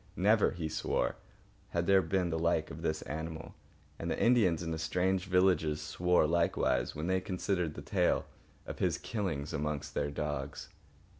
Never, he swore, had there been the like of this animal; and the Indians in strange villages swore likewise when they considered the tale of his killings amongst their dogs.